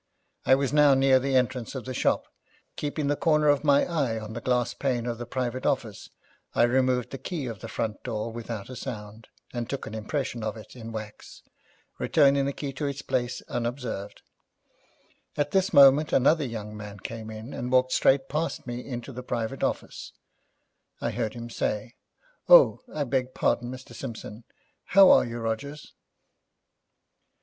I was now near the entrance of the shop, and by a sleight of hand trick, keeping the corner of my eye on the glass pane of the private office, I removed the key of the front door without a sound, and took an impression of it in wax, returning the key to its place unobserved. At this moment another young man came in, and walked straight past me into the private office. I heard him say, 'Oh, I beg pardon, Mr. Simpson. How are you, Rogers?'